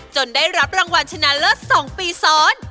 ได้รับรางวัลชนะเลิศ๒ปีซ้อน